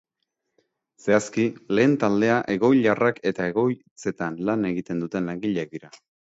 Zehazki, lehen taldea egoiliarrak eta egoitzetan lan egiten duten langileak dira.